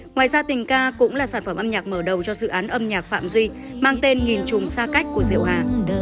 ngoài ra tình ca cũng là sản phẩm âm nhạc mở đầu cho dự án âm nhạc phạm duy mang tên nghìn trùng xa cách của diệu hà